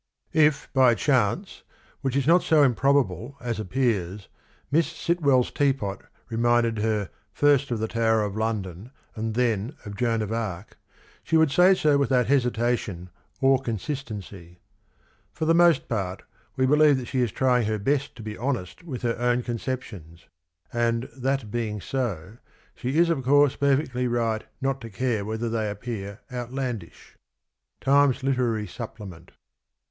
" If by a chance, which is not so improbable as appears. Miss Sitwell's teapot reminded her first of the Tower of London and then of Joan of Arc, she would say so without hesitation or consistency. ... For the most part, we beheve that she is trying her best to be honest with her own con ceptions, and, that being so, she is of course perfectly right not to care whether they appear outlandish." — Times Literary Supplement.